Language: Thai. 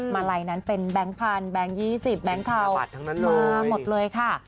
มาลัยนั้นเป็นแบงค์พันแบงค์๒๐แบงค์เทามาหมดเลยค่ะ